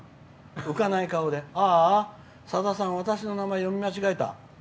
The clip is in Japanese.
浮かない顔であーあ、さださん私の名前、読み間違えた。